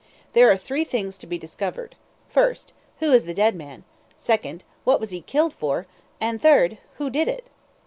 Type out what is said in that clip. There are three things to be discovered First, who is the dead man? Second, what was he killed for? And third, who did it?